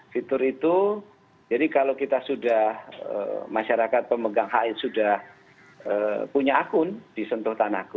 fitur itu jadi kalau kita sudah masyarakat pemegang hi sudah punya akun di sentuh tanahku